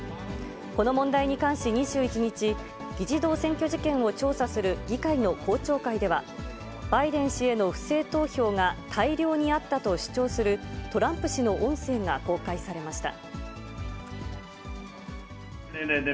この問題に関し２１日、議事堂占拠事件を調査する議会の公聴会では、バイデン氏への不正投票が大量にあったと主張するトランプ氏の音声が公開されました。